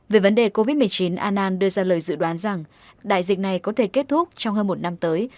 về vấn đề covid một mươi chín annan đưa ra lời dự đoán rằng đại dịch này có thể kết thúc trong hơn một năm tới